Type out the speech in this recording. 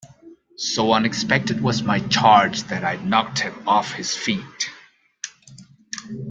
So unexpected was my charge that I knocked him off his feet.